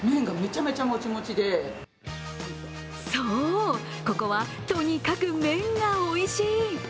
そう、ここはとにかく麺がおいしい。